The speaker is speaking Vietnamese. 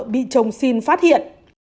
bị chồng xin phát hiện